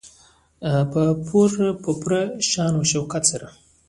په پوره شان او شوکت سره.